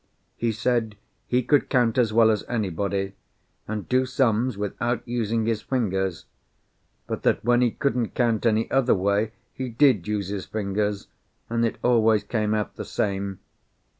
He said he could count as well as anybody, and do sums without using his fingers, but that when he couldn't count any other way, he did use his fingers, and it always came out the same.